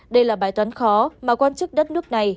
đây là bài toán khó mà quan chức đất nước này